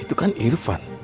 itu kan irva